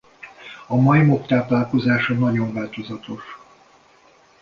A majmok táplálkozása nagyon változatos.